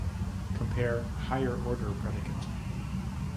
Compare higher-order predicate.